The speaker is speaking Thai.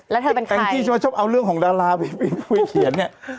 แล้วเธอเป็นใครแองจีชอบเอาเรื่องของดาราไปเขียนไง